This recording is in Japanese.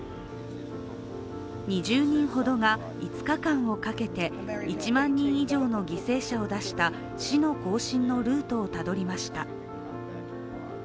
２０人ほどが５日間をかけて１万人以上の犠牲者を出した死の行進のルートをたどりました。